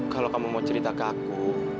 kalau kamu mau cerita ke aku